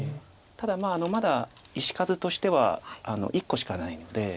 ただまだ石数としては１個しかないので。